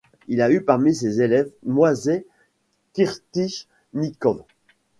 Il a eu parmi ses élèves Moïsseï Kirpitchnikov.